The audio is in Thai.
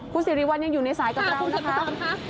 คุณสิริวัลยังอยู่ในสายกับเรานะคะ